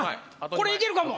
これ行けるかも！